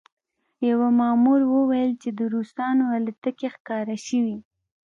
یوه مامور وویل چې د روسانو الوتکې ښکاره شوې